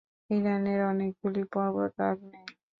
ইরানের অনেকগুলি পর্বত আগ্নেয়।